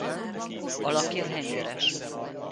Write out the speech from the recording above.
Alakja hengeres.